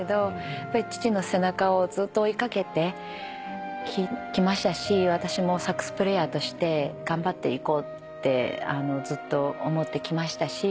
やっぱり父の背中をずっと追い掛けてきましたし私もサックスプレーヤーとして頑張っていこうってずっと思ってきましたし。